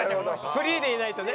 フリーでいないとね。